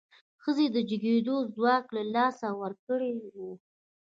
ښځې د جګېدو ځواک له لاسه ورکړی و.